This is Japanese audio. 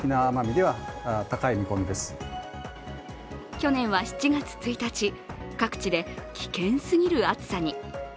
去年は７月１日、各地で危険すぎる暑さに。